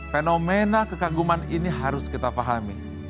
fenomena kekaguman ini harus kita pahami